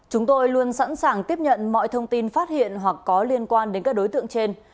chúng tôi luôn sẵn sàng tiếp nhận mọi thông tin phát hiện hoặc có liên quan đến các đối tượng trên